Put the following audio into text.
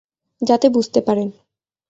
যাতে বুঝতে পারেন।